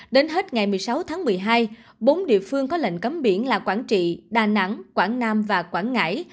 đến hết ngày một mươi sáu tháng một mươi hai bốn địa phương có lệnh cấm biển là quảng trị đà nẵng quảng nam và quảng ngãi